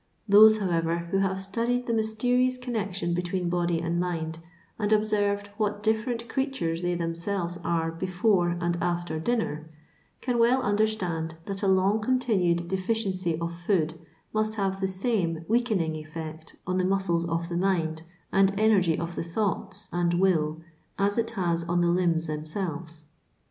Those, however, who have studied the mysterious connection between body and mind, and observed what different creatures they them aelves are before and after dinner, can well under stand that a long continued deficiency of food must have the same weakening effiect on the muscles of the mind and energy of the thoughts and will, as it has on the limbs themselves.